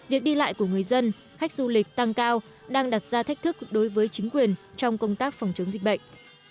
việc đi lại của người dân khách du lịch tăng cao đang đặt ra thách thức đối với chính quyền trong công tác phòng chống dịch bệnh